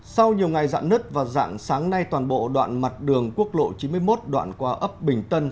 sau nhiều ngày dạn nứt và dạng sáng nay toàn bộ đoạn mặt đường quốc lộ chín mươi một đoạn qua ấp bình tân